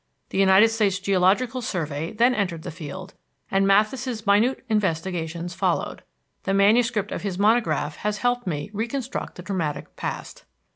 The United States Geological Survey then entered the field, and Matthes's minute investigations followed; the manuscript of his monograph has helped me reconstruct the dramatic past.